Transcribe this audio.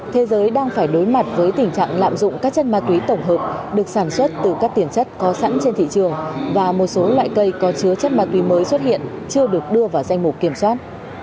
thế giới đang phải đối mặt với tình trạng lạm dụng các chất ma túy tổng hợp được sản xuất từ các tiền chất có sẵn trên thị trường và một số loại cây có chứa chất ma túy mới xuất hiện chưa được đưa vào danh mục kiểm soát